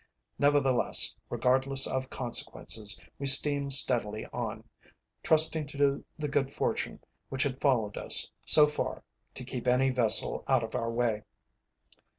Nevertheless, regardless of consequences, we steamed steadily on, trusting to the good fortune which had followed us so far to keep any vessel out of our way.